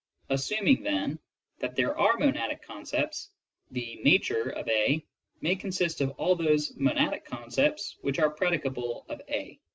As suming, then, that there are monadic concepts, the ''nature" of a may consist of all those monadic concepts which are predicable of a.